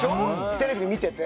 テレビで見てて。